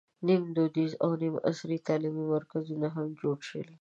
نیم دودیز او نیم عصري تعلیمي مرکزونه هم جوړ شول.